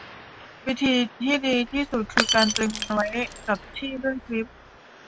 วิธีที่ดีที่สุดคือการตรึงมันไว้กับที่ด้วยคลิป